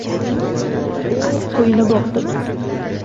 El qo‘yini boqdim.